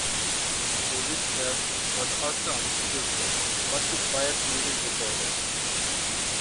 The whisper was also unscripted, but too quiet to be recorded.